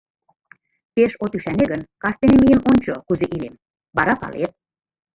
— Пеш от ӱшане гын, кастене миен ончо, кузе илем, вара палет.